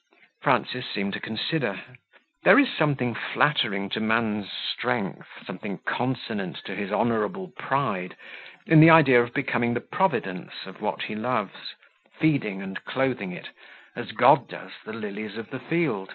Frances seemed to consider. There is something flattering to man's strength, something consonant to his honourable pride, in the idea of becoming the providence of what he loves feeding and clothing it, as God does the lilies of the field.